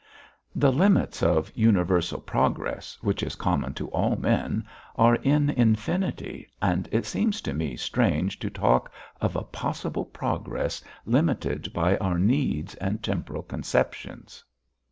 "The limits of universal progress, which is common to all men, are in infinity, and it seems to me strange to talk of a 'possible' progress limited by our needs and temporal conceptions."